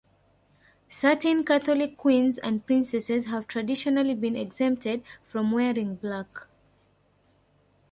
Certain Catholic queens and princesses have traditionally been exempted from wearing black.